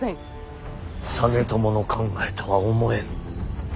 実朝の考えとは思えん。